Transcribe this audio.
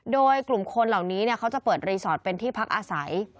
โดยกลุ่มคนเหล่านี้เขาจะเปิดรีสอร์ทเป็นที่พักอาศัย